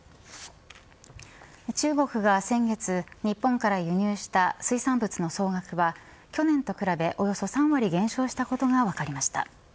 中国が先月、日本から輸入した水産物の総額は去年と比べおよそ３割減少したことが分かりました。